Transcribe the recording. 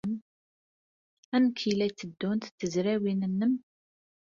Amek ay la tteddunt tezrawin-nnem?